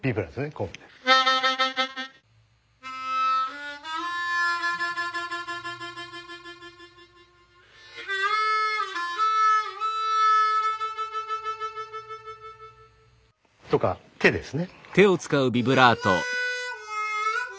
こう。とか手ですね。